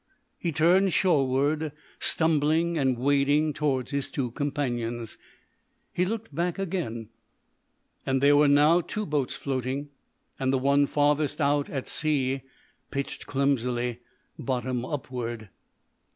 He turned shoreward, stumbling and wading towards his two companions. He looked back again, and there were now two boats floating, and the one farthest out at sea pitched clumsily, bottom upward.